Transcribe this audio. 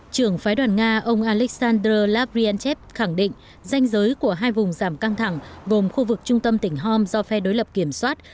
trưởng phái đoàn nga ông alexander labrianchev khẳng định danh giới của hai vùng giảm căng thẳng gồm khu vực trung tâm tỉnh home do phe đối lập kiểm soát